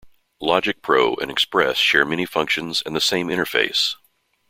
Logic Pro and Express share many functions and the same interface.